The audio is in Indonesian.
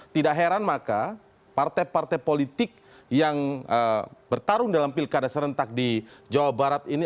tidak heran maka partai partai politik yang bertarung dalam pilkada serentak di jawa barat ini